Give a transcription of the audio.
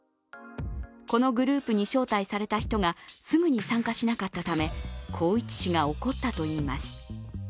このグループに招待された人がすぐに参加しなかったため、宏一氏が怒ったといいます。